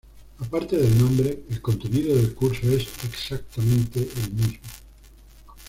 Aparte del nombre, el contenido del curso es exactamente el mismo.